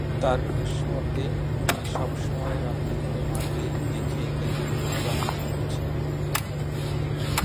তাঁর ভাষ্যমতে তিনি সবসময় রান্নাঘরে মাকে দেখে একাজে অনুপ্রাণিত হয়েছিলেন।